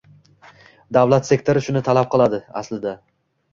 Davlat sektori shuni talab qiladi aslida.